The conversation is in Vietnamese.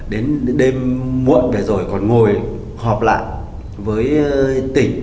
đến đêm muộn để rồi còn ngồi họp lại với tỉnh